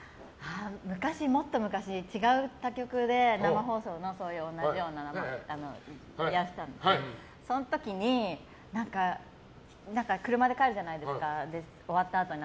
もっと昔、他局で生放送の同じような番組をやっていたんですけどその時に車で帰るじゃないですか終わったあとに。